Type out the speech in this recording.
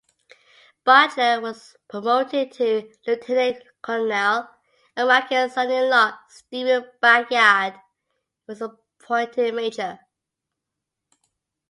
Butler was promoted to lieutenant colonel and Mackay's son-in-law Stephen Bayard was appointed major.